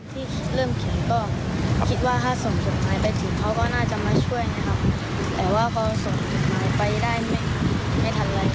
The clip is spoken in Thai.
ตอนนี้ที่เริ่มเขียนก็คิดว่าถ้าส่งหยุดหมายไปถึงเขาก็น่าจะมาช่วยนะครับ